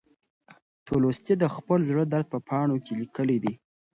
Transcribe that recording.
تولستوی د خپل زړه درد په پاڼو کې لیکلی دی.